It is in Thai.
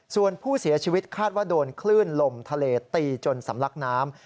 ส่วนผู้เสียชีวิตคาดว่าโดนคลื่นลมทะเลตีจนสำลักน้ำ